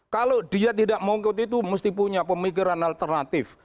kalau dia tidak mau ikut itu mesti punya pemikiran alternatif